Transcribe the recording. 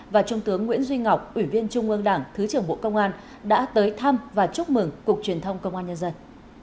và trung tướng nguyễn duy ngọc ủy viên trung ương đảng thứ trưởng bộ công an đã tới thăm và chúc mừng cục truyền thông công an nhân dân